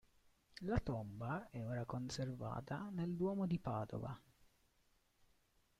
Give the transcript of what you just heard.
La tomba è ora conservata nel duomo di Padova.